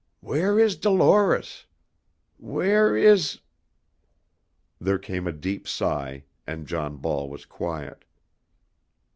Where is Dolores? Where is " There came a deep sigh, and John Ball was quiet.